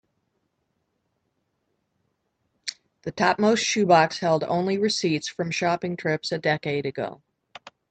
The topmost shoe box held only receipts from shopping trips a decade ago.